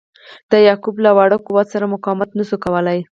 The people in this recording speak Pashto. د یعقوب له واړه قوت سره مقاومت نه سو کولای.